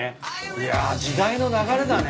いや時代の流れだね。